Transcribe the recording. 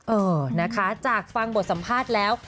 เออนะคะจากฟังบทสัมภาษณ์แล้ว